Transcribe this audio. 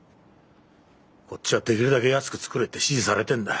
こっちはできるだけ安く作れって指示されてんだ。